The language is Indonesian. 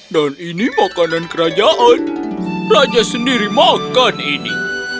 dan ini makanan kerajaan raja sendiri makan ini